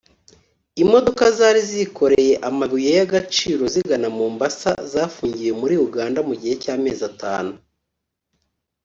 “Imodoka zari zikoreye amabuye y’agaciro zigana Mombasa zafungiwe muri Uganda mu gihe cy’amezi atanu